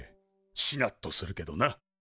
しなっとするけどな。